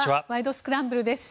スクランブル」です。